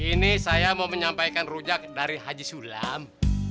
ini saya mau menyampaikan rujak dari haji sulam